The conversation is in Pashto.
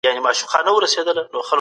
توبې غر ولي د استراحت لپاره مناسب و؟